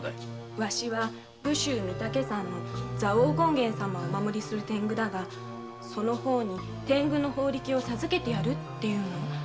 「わしは武州・御岳山で蔵王権現様をお守りする天狗だがその方に法力を授ける」って言うの。